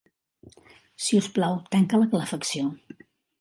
Si us plau, tanca la calefacció.